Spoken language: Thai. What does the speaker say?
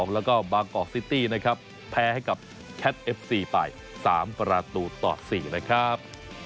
แล้วก็บางกอกซิตี้นะครับแพ้ให้กับแคทเอฟซีไป๓ประตูต่อ๔นะครับ